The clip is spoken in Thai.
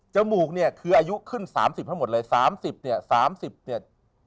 จมูกเนี่ยคืออายุขึ้น๓๐เท่าหมดเลย๓๐เนี่ย๓๐เนี่ย